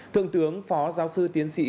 thượng tướng phó giáo sư tiến sĩ